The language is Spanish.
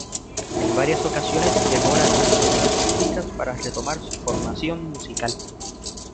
En varias ocasiones dejó las actuaciones públicas para retomar su formación musical.